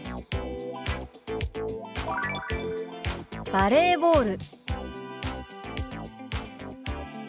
「バレーボール」。